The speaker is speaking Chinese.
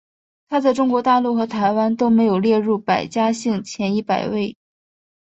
它在中国大陆和台湾都没有列入百家姓前一百位。